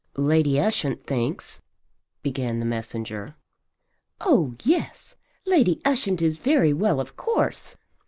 "Lady Ushant thinks " began the messenger. "Oh yes, Lady Ushant is very well of course.